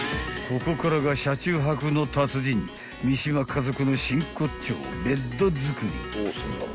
［ここからが車中泊の達人三島家族の真骨頂ベッド作り］